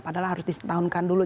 padahal harus disetahunkan dulu